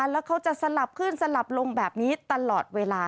แล้วเขาจะสลับขึ้นสลับลงแบบนี้ตลอดเวลา